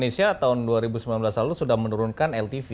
indonesia tahun dua ribu sembilan belas lalu sudah menurunkan ltv